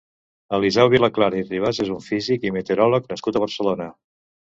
Eliseu Vilaclara i Ribas és un físic i meteoròleg nascut a Barcelona.